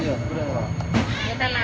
dạ chắc là ngon